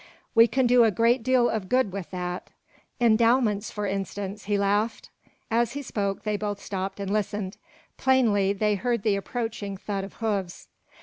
"We can do a great deal of good with that. Endowments, for instance," he laughed. As he spoke, they both stopped, and listened. Plainly they heard the approaching thud of hoofs.